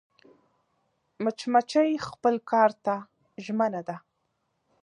مچمچۍ خپل کار ته ژمنه ده